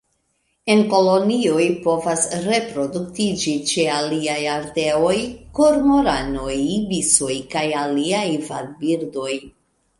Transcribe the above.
En kolonioj povas reproduktiĝi ĉe aliaj ardeoj, kormoranoj, ibisoj kaj aliaj vadbirdoj.